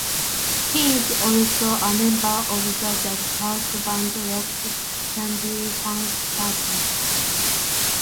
He is also a member of the jazz-funk band Rock Candy Funk Party.